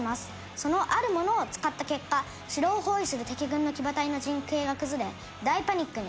そのあるものを使った結果城を包囲する敵軍の騎馬隊の陣形が崩れ大パニックに。